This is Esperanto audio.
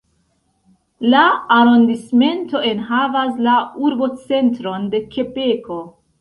La arondismento enhavas la urbocentron de Kebeko.